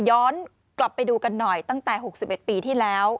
ย้อนกลับไปดูกันหน่อยตั้งแต่๖๑ปีที่แล้ว